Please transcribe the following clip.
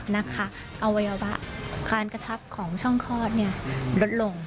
อวัยวะการกระชับของช่องคลอดลดลง